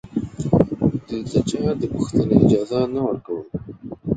دوی ته چا د پوښتنې اجازه نه ورکوله